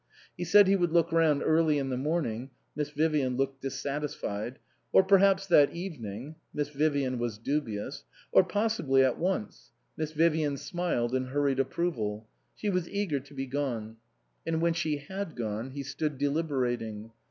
He said he would look round early in the morning (Miss Vivian looked dissatisfied) ; or perhaps that evening (Miss Vivian was dubious) ; or possibly at once (Miss Vivian smiled in hurried approval). She was eager to be gone. And when she had gone he stood deliberating.